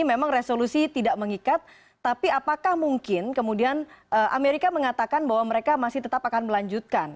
memang resolusi tidak mengikat tapi apakah mungkin kemudian amerika mengatakan bahwa mereka masih tetap akan melanjutkan